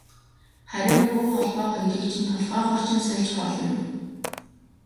Харин буу холбоо хоёрыг чинь толгойгоор чинь сольж болно.